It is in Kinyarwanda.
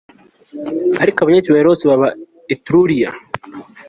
Ariko abanyacyubahiro bose ba Etruria